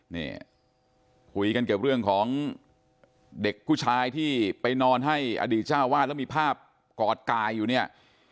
นี่คุยกันเกี่ยวเรื่องของเด็กผู้ชายที่ไปนอนให้อดีตเจ้าวาดแล้วมีภาพกอดกายอยู่เนี่ย